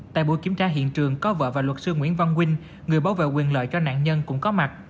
tại buổi kiểm tra hiện trường có vợ và luật sư nguyễn văn quynh người bảo vệ quyền lợi cho nạn nhân cũng có mặt